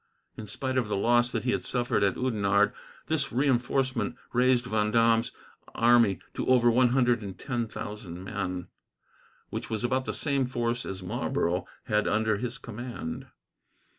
In spite of the loss that he had suffered at Oudenarde, this reinforcement raised Vendome's army to over one hundred and ten thousand men, which was about the same force as Marlborough had under his command.